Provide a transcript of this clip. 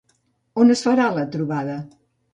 On es farà la trobada?